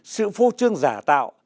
sự phô trương giả tạo